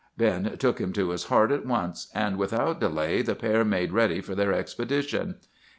"Ben took him to his heart at once, and without delay the pair made ready for their expedition.